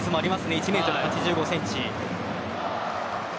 １ｍ８５ｃｍ。